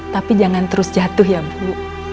tapi jangan terus jatuh ya bu